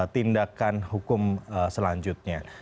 tindakan hukum selanjutnya